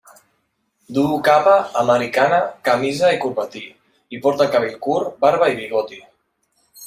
Duu capa, americana, camisa i corbatí, i porta el cabell curt, barba i bigoti.